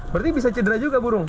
berarti bisa cedera juga burung